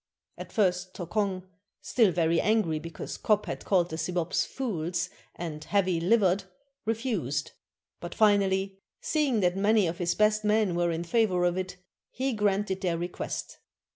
At first, Tokong, still very angry because Kop had called the Sibops 'fools' and 'heavy livered,' refused; but finally, seeing that many of his best men were in favor of it, he granted their request.